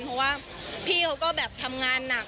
เพราะว่าพี่เขาก็แบบทำงานหนัก